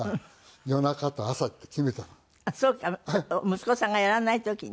息子さんがやらない時に。